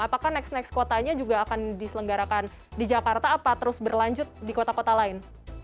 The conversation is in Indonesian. apakah next next kotanya juga akan diselenggarakan di jakarta apa terus berlanjut di kota kota lain